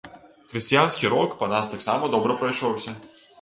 Хрысціянскі рок па нас таксама добра прайшоўся!